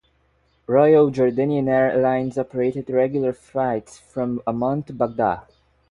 Royal Jordanian Airlines operated regular flights from Amman to Baghdad.